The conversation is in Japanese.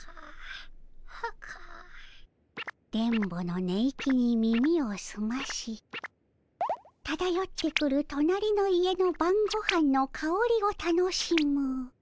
電ボの寝息に耳をすましただよってくるとなりの家のばんごはんのかおりを楽しむ。